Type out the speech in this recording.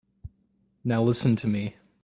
Now listen to me.